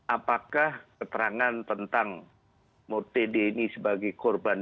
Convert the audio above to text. apakah keterangan tentang murti dini sebagai korban